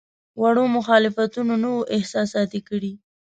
وړو مخالفتونو نه وو احساساتي کړی.